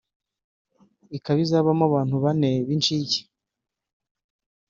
ikaba izabamo abantu bane b’inshike